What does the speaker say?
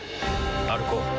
歩こう。